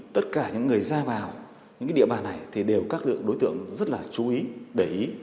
tất cả những người ra vào những địa bàn này thì đều các đối tượng rất là chú ý để ý